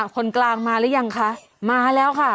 คนกลางมาหรือยังคะมาแล้วค่ะ